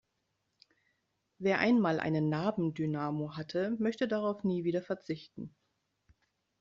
Wer einmal einen Nabendynamo hatte, möchte darauf nie wieder verzichten.